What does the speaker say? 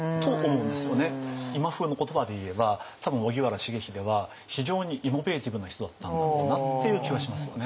今風の言葉で言えば多分荻原重秀は非常にイノベーティブな人だったんだろうなという気はしますよね。